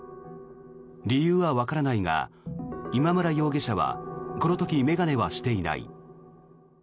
理由はわからないが今村容疑者はこの時、眼鏡はしていない。